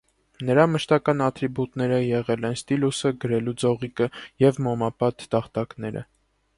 Նրա մշտական ատրիբուտները եղել են ստիլոսը (գրելու ձողիկը) և մոմապատ տախտակները։